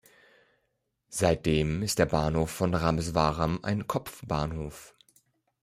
Seitdem ist der Bahnhof von Rameswaram ein Kopfbahnhof.